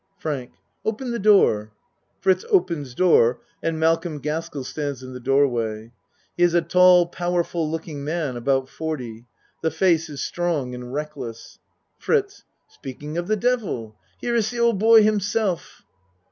FRANK Open the door. (Fritz opens door and Malcolm Cask ell stands in the doorway. He is a tall, powerful looking man, about 40. The face is strong and reckless.) FRITZ Speaking of the devil here iss the old boy himself.